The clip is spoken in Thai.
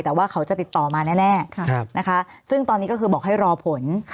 แต่ว่าเขาจะติดต่อมาแน่นะคะซึ่งตอนนี้ก็คือบอกให้รอผล